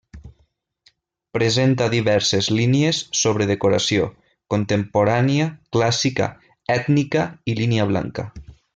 Presenta diverses línies sobre decoració: contemporània, clàssica, ètnica i línia blanca.